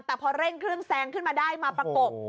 แต่พอเร่งเครื่องแซงขึ้นมาได้มาประกบ